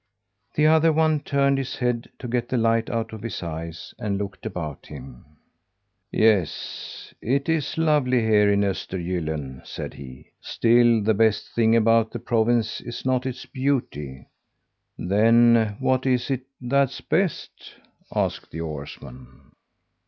The other one turned his head to get the light out of his eyes, and looked about him. "Yes, it is lovely here in Östergylln," said he. "Still the best thing about the province is not its beauty." "Then what is it that's best?" asked the oarsman.